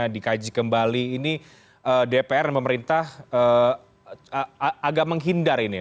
dikaji kembali ini dpr dan pemerintah agak menghindar ini